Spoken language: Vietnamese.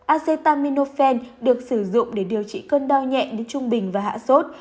acetaminophen được sử dụng để điều trị cơn đau nhẹ đến trung bình và hạ sốt